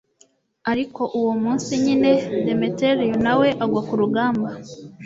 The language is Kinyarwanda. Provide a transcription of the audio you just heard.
ariko uwo munsi nyine, demetiriyo na we agwa ku rugamba